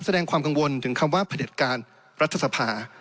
แสดงความกังวลถึงคำว่าพระเด็จการรัฐสภา